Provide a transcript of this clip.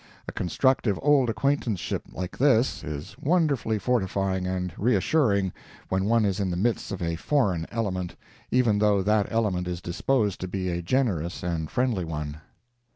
A constructive old acquaintanceship like this, is wonderfully fortifying and reassuring, when one is in the midst of a foreign element, even though that element is disposed to be a generous and a friendly one.